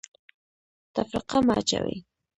تفرقه مه اچوئ